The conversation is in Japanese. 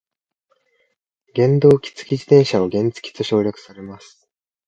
原動機付き自転車は原付と省略されます。